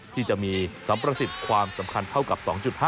ที่จะมีสัมประสิทธิ์ความสำคัญเท่ากับ๒๕